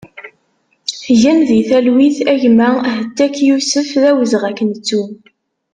Gen di talwit a gma Hettak Yusef, d awezɣi ad k-nettu!